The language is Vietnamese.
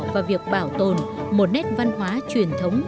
và việc bảo tồn một nét văn hóa truyền thống